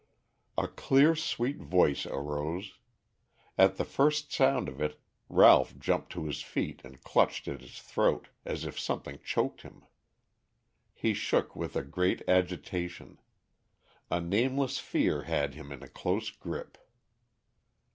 A clear, sweet voice arose. At the first sound of it, Ralph jumped to his feet and clutched at his throat as if something choked him. He shook with a great agitation; a nameless fear had him in a close grip.